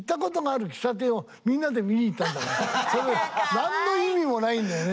何の意味もないんだよね。